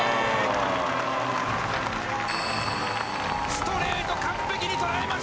ストレート完璧に捉えました！